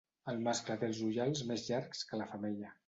El mascle té els ullals més llargs que la femella.